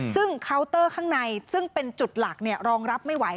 ซึ่งเคาน์เตอร์ข้างในซึ่งเป็นจุดหลักรองรับไม่ไหว